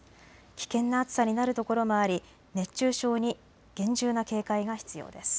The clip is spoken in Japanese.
危険な暑さになる所もあり熱中症に厳重な警戒が必要です。